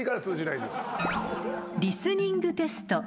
［リスニングテスト。